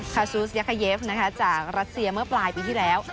ซูสยาคาเยฟจากรัสเซียเมื่อปลายปีที่แล้ว